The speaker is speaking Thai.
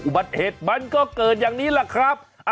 อุบัติเหตุมันก็เกิดอย่างนี้แหละครับ